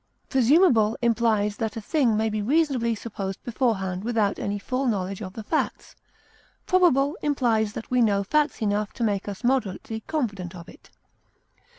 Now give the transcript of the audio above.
Presumable implies that a thing may be reasonably supposed beforehand without any full knowledge of the facts. Probable implies that we know facts enough to make us moderately confident of it.